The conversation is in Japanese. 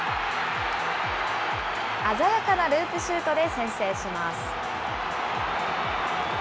鮮やかなループシュートで先制します。